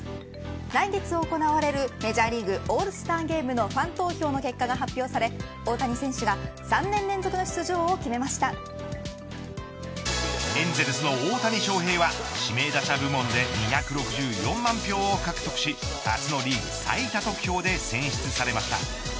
来月行われるメジャーリーグオールスターゲームのファン投票の結果が発表され大谷選手がエンゼルスの大谷翔平は指名打者部門で２６４万票を獲得し初のリーグ最多得票で選出されました。